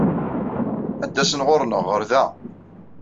Ad d-asen ɣur-neɣ, ɣer da.